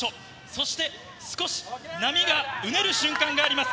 そして少し波がうねる瞬間があります。